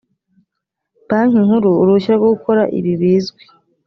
banki nkuru uruhushya rwo gukora ibi bizwi